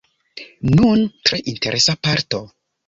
Nun tre interesa parto.